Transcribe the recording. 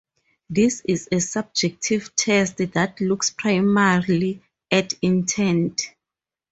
This is a subjective test that looks primarily at intent.